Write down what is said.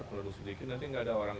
penduduk sedikit nanti gak ada orang